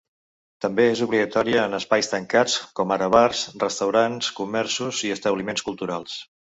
També és obligatòria en espais tancats com ara bars, restaurants, comerços i establiments culturals.